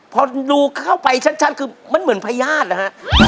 พอดูเข้าไปชัดคือมันเหมือนพญาตินะฮะ